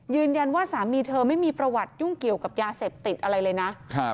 สามีเธอไม่มีประวัติยุ่งเกี่ยวกับยาเสพติดอะไรเลยนะ